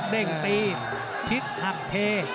เบ้งตีฮิตหักเท